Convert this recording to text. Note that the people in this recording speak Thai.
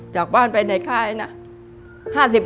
จากบ้านไปในค่ายนะ๕๐โลกรัม